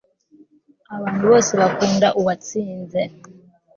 abantu bose bakunda uwatsinze